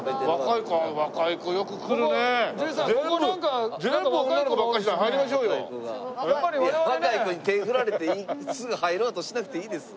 いや若い子に手振られてすぐ入ろうとしなくていいです。